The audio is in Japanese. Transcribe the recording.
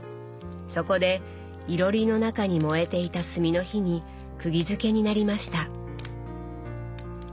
そこでいろりの中に燃えていた炭の火にくぎづけになりました。